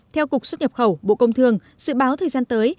theo cục xuất nhập khẩu bộ công thương dự báo thời gian tới